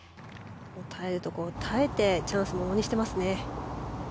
耐えるところを耐えてチャンスをものにしていますね。